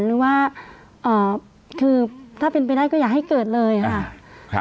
หรือว่าคือถ้าเป็นไปได้ก็อย่าให้เกิดเลยค่ะ